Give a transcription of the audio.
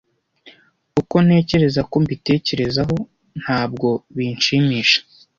Uko ntekereza ko mbitekerezaho, ntabwo binshimisha.